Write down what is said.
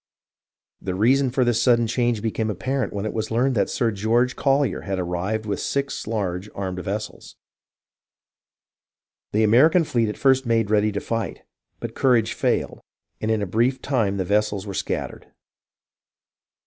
The reason for this sudden change became apparent when it was learned that Sir George Collyer had arrived with six large armed vessels. The American fleet at first made ready to fight, but courage failed, and in a brief time the vessels were scat tered.